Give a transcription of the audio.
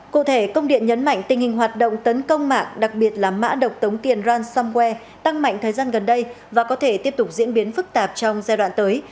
cụ thể công điện nhấn mạnh tình hình hoạt động tấn công mạng đặc biệt là mã độc tống tiền ransomware tăng mạnh thời gian gần đây và có thể tiếp tục diễn biến phức tạp trong giai đoạn tới